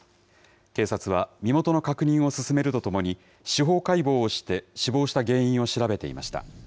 警察は身元の確認を進めるとともに、司法解剖をして、死亡した原因を調べていました。